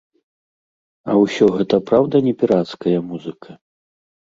А ўсё гэта праўда не пірацкая музыка?